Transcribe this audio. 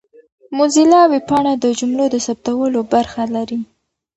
موزیلا ویبپاڼه د جملو د ثبتولو برخه لري.